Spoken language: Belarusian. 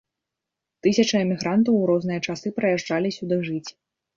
Тысячы эмігрантаў у розныя часы прыязджалі сюды жыць.